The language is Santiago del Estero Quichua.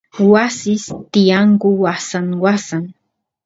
wasis tiyanku wasan wasan